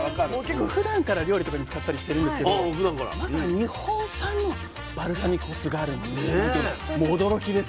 結構ふだんから料理とかにも使ったりしてるんですけどまずは日本産のバルサミコ酢があるってことに驚きですほんとに。